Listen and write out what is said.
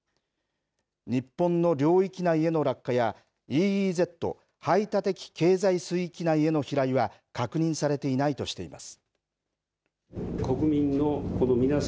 日本の領域内への落下やＥＥＺ排他的経済水域内への飛来は確認されていないとしています。